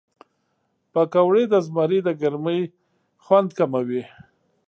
پکورې د زمري د ګرمۍ خوند کموي